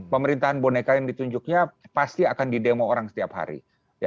pemerintahan boneka yang ditunjuknya pasti akan didemo orang setiap hari